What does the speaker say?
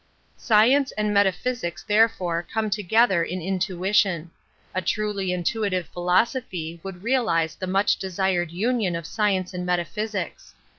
L Science and metaphysics therefore come together in intuition, A truly intuitive philosophy would realize the much desired union of science and metaphysics.